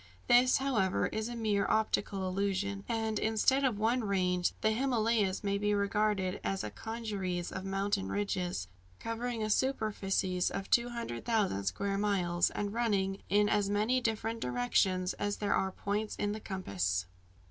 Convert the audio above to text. This, however, is a mere optical illusion; and, instead of one range, the Himalayas may be regarded as a congeries of mountain ridges, covering a superficies of 200,000 square miles, and running in as many different directions as there are points in the compass.